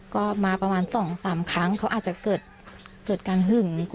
ก็มาประมาณ๒๓ครั้งเขาอาจจะเกิดการหึง